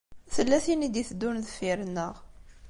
Tella tin i d-iteddun deffir-nneɣ.